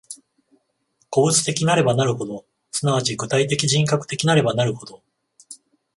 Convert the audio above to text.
個物的なればなるほど、即ち具体的人格的なればなるほど、